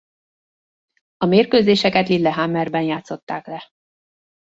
A mérkőzéseket Lillehammerben játszották le.